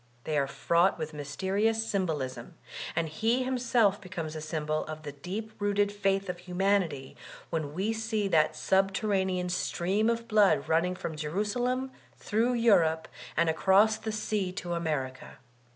They are fraught with mysterious symbolism, and he himself becomes a symbol 286 VOLTAIRINE DE ClEYHE of the deqy rooted faith of humanity, when we see that subterranean stream of blood running from Jerusalem through Europe and across the sea to America.